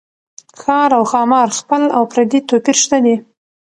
ښار او ښامار خپل او پردي توپير شته دي